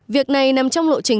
việc này nằm trong lộ trình